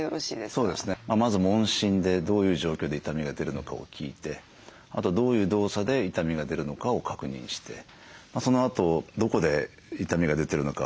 まず問診でどういう状況で痛みが出るのかを聞いてあとどういう動作で痛みが出るのかを確認してそのあとどこで痛みが出てるのか押して確認する。